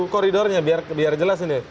koridornya biar jelas ini